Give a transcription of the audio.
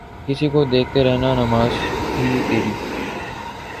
کسی کو دیکھتے رہنا نماز تھی تیری